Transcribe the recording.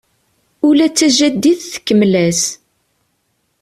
Ula d tajadit tkemmel-as.